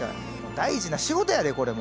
大事な仕事やでこれも！